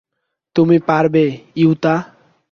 তুমি পারবে, ইউতা।